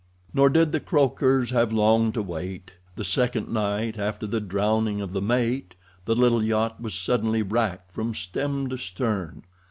Nor did the croakers have long to wait. The second night after the drowning of the mate the little yacht was suddenly wracked from stem to stern.